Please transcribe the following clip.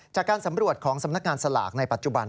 จากการสำรวจของสำนักงานสลากในปัจจุบัน